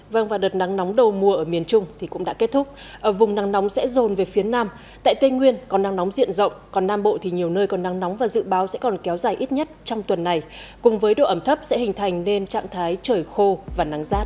vâng và đợt nắng nóng đầu mùa ở miền trung thì cũng đã kết thúc vùng nắng nóng sẽ rồn về phía nam tại tây nguyên còn nắng nóng diện rộng còn nam bộ thì nhiều nơi còn nắng nóng và dự báo sẽ còn kéo dài ít nhất trong tuần này cùng với độ ẩm thấp sẽ hình thành nên trạng thái trời khô và nắng rát